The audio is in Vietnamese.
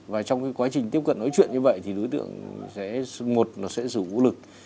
và trong cái quá trình tiếp cận nói chuyện như vậy thì đối tượng sẽ một nó sẽ sử dụng vũ lực